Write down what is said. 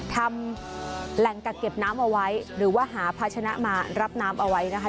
ทำแหล่งกักเก็บน้ำเอาไว้หรือว่าหาภาชนะมารับน้ำเอาไว้นะคะ